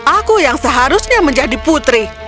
aku yang seharusnya menjadi putri